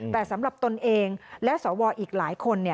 แต่สำหรับตนเองและสวอีกหลายคน